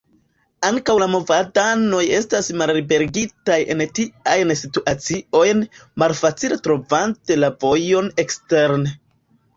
Ankaŭ la movadanoj estas malliberigitaj en tiajn situaciojn, malfacile trovante la vojon eksteren.